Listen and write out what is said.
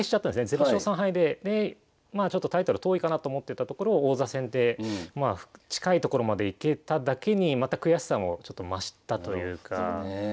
０勝３敗でまあちょっとタイトル遠いかなと思ってたところを王座戦で近いところまで行けただけにまた悔しさもちょっと増したというか。